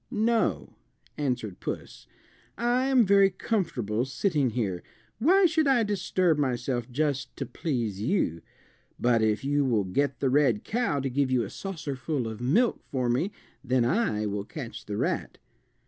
"No," answered puss, "I am very comfortable sitting here. Why should I disturb myself just to please you. But if you will get the red cow to give you a saucerful of milk for me then I will catch the rat."